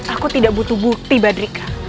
aku tidak butuh bukti badrika